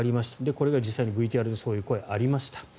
これが実際にＶＴＲでそういう声がありました。